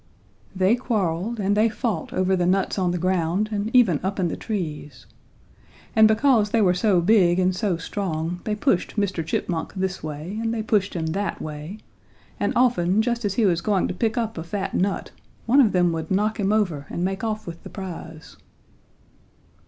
They quarreled and they fought over the nuts on the ground and even up in the trees. And because they were so big and so strong, they pushed Mr. Chipmunk this way and they pushed him that way and often just as he was going to pick up a fat nut one of them would knock him over and make off with the prize.